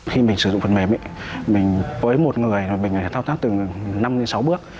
khi mình sử dụng phần mềm ấy với một người mình phải thao tác từ năm đến sáu bước